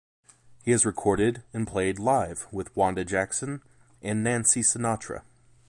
He has recorded and played live with Wanda Jackson and Nancy Sinatra.